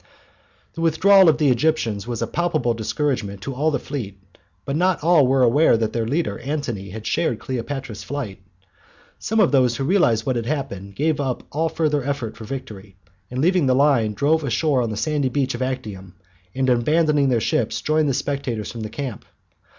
The withdrawal of the Egyptians was a palpable discouragement to all the fleet, but not all were aware that their leader, Antony, had shared Cleopatra's flight. Some of those who realized what had happened gave up all further effort for victory, and leaving the line drove ashore on the sandy beach of Actium, and abandoning their ships joined the spectators from the camp.